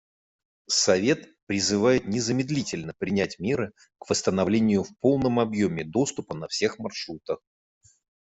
Совет призывает незамедлительно принять меры к восстановлению в полном объеме доступа на всех маршрутах.